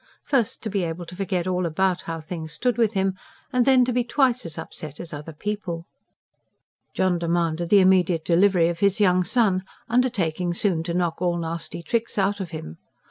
First, to be able to forget all about how things stood with him, and then to be twice as upset as other people. John demanded the immediate delivery of his young son, undertaking soon to knock all nasty tricks out of him.